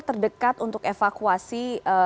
terdekat untuk evakuasi